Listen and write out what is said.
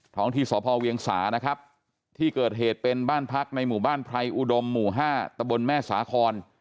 ที่สพเวียงสานะครับที่เกิดเหตุเป็นบ้านพักในหมู่บ้านไพรอุดมหมู่๕ตะบนแม่สาคอน